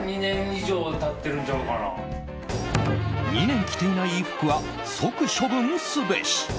２年着ていない衣服は即処分すべし。